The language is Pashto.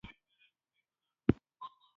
اقتصاد یو علم دی چې په اجناسو بحث کوي.